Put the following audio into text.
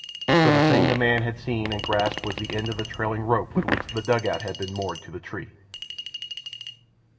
For the thing that the man had seen and grasped was the end of the trailing rope with which the dugout had been moored to the tree.